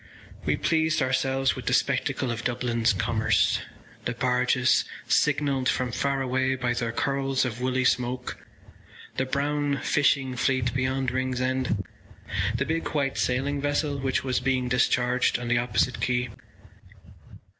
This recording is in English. We pleased ourselves with the spectacle of Dublin’s commerce—the barges signalled from far away by their curls of woolly smoke, the brown fishing fleet beyond Ringsend, the big white sailing vessel which was being discharged on the opposite quay.